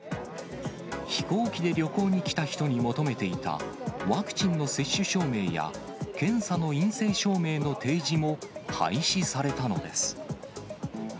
飛行機で旅行に来た人に求めてきたワクチンの接種証明や、検査の陰性証明の提示も廃止されたのです。